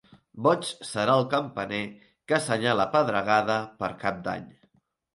Boig serà el campaner que assenyala pedregada per Cap d'Any.